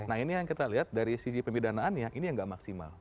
nah ini yang kita lihat dari sisi pemidanaannya ini yang nggak maksimal